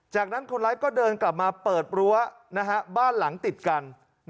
จากนั้นคนร้ายก็เดินกลับมาเปิดรั้วบ้านหลังติดกัน